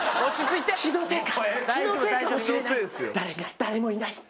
誰もいない。